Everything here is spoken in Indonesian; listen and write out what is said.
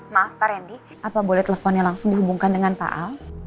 maaf pak randy apa boleh teleponnya langsung dihubungkan dengan pak a